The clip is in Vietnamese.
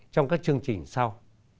trong các chương trình sau